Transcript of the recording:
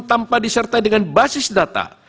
tanpa disertai dengan basis data